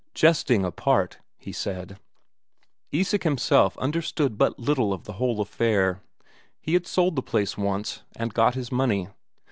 "Jesting apart," he said. Isak himself understood but little of the whole affair; he had sold the place once, and got his money.